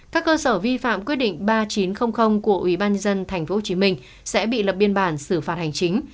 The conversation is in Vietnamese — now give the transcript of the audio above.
các cơ sở vi phạm quyết định ba nghìn chín trăm linh của ubnd tp hcm sẽ bị lập biên bản xử phạt hành chính